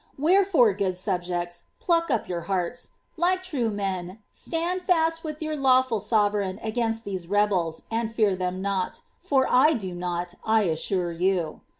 ■^ Wherefore, good subjects, pluck up your hearts 1 Like true men, stand fast with your lawful sovereign against these rebels, and fear them not — for I do not, I assure you.